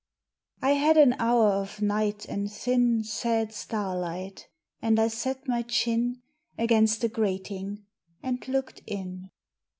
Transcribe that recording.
I had an hour of night and thin Sad starlight; and I set my chin Against the grating and looked in.